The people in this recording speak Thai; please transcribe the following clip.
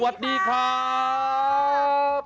สวัสดีครับ